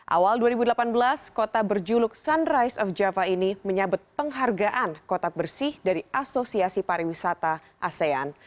awal dua ribu delapan belas kota berjuluk sunrise of java ini menyabet penghargaan kotak bersih dari asosiasi pariwisata asean